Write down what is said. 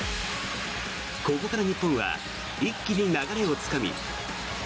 ここから日本は一気に流れをつかみ。